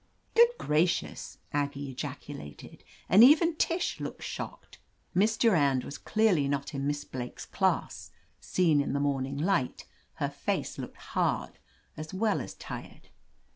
"Good gracious!" Aggie ejaculated, and even Tish looked shocked. Miss Durand was clearly not in Miss Blake's class: seen in the morning light, her face looked hard as well as tired.